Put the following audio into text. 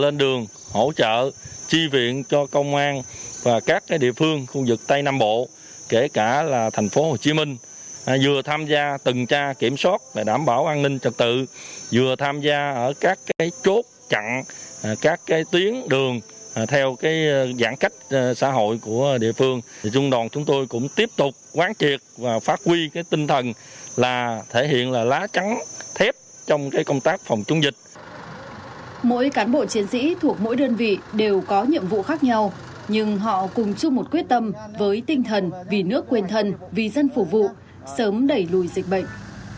mỗi cán bộ chiến sĩ thuộc mỗi đơn vị đều có nhiệm vụ khác nhau nhưng họ cùng chung một quyết tâm với tinh thần vì nước quên thần vì dân phụ vụ sớm đẩy lùi dịch bệnh